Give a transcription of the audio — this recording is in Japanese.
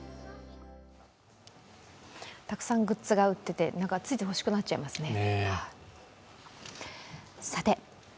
たくさんグッズが売っててついつい欲しくなっちゃいますね。